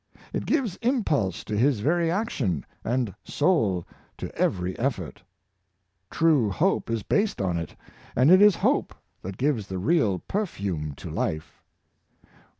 It gives impulse to his every action, and soul to every effort. True hope is based on it — and it is hope that gives the real perfume to life.